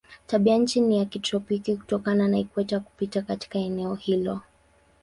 Tabianchi ni ya kitropiki kutokana na ikweta kupita katikati ya eneo hilo.